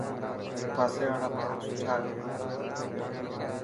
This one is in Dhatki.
پاسي واڙا ماڻهو سٺا هي.